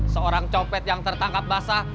seorang copet yang tertangkap basah